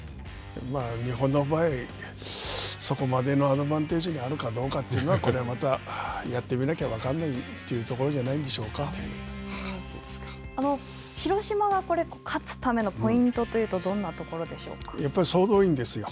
日本の場合、そこまでのアドバンテージがあるかどうかは、これはまたやってみなきゃ分からないというところなんじゃないで広島が勝つためのポイントは、やっぱり総動員ですよ。